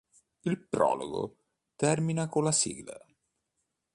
Il prologo termina con la sigla.